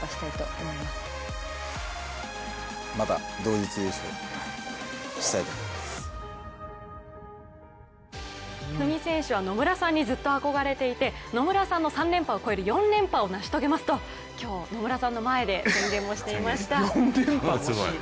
一二三選手は野村選手にずっと憧れていて野村さんの３連覇を超える４連覇を成し遂げますと今日、野村さんの前で宣言をしていました。